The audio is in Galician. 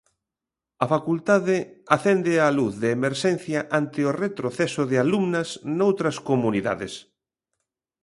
A facultade acende a luz de emerxencia ante o retroceso de alumnas noutras comunidades.